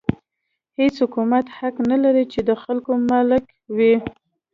هېڅ حکومت حق نه لري چې د خلکو مالک وي.